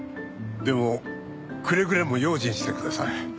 でもくれぐれも用心してください。